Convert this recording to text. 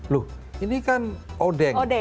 loh ini kan odeng